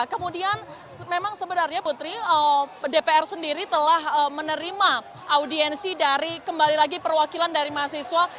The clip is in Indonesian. kemudian memang sebenarnya putri dpr sendiri telah menerima audiensi dari kembali lagi perwakilan dari mahasiswa